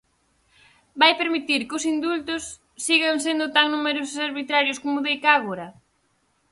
Vai permitir cos indultos sigan sendo tan numerosos e arbitrarios como deica agora?